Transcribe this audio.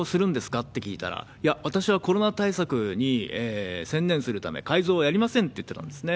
って聞いたら、いや、私はコロナ対策に専念するため、改造はやりませんって言ってたんですね。